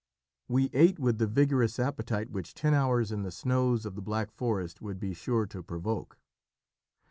We ate with the vigorous appetite which ten hours in the snows of the Black Forest would be sure to provoke.